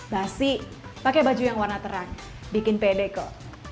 basi pakai baju yang warna terang bikin pede kok